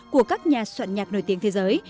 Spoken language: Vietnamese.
của các nhà soạn nhạc nổi tiếng thế giới